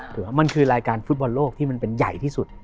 เหรอมันคือรายการฟุตบอลโลกที่มันเป็นใหญ่ที่สุด